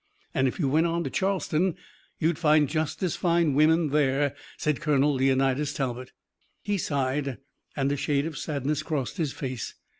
"And if you went on to Charleston you'd find just as fine women there," said Colonel Leonidas Talbot. He sighed and a shade of sadness crossed his face.